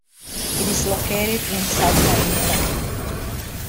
It is located in Sutherland.